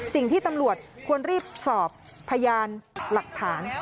สิ่งที่ตำรวจควรรีบสอบพยานหลักฐาน